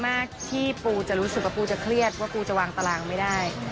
เพราะว่าคิวมันไม่ได้เยอะมากที่ปูจะรู้สึกว่าปูจะเครียดว่าปูจะวางตารางไม่ได้